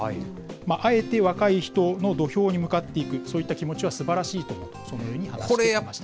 あえて若い人の土俵に向かっていく、そういった気持ちはすばらしいと、そのように話していました。